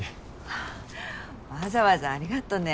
あわざわざありがとうね。